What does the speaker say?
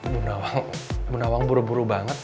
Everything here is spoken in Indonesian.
bunda wang bunda wang buru buru banget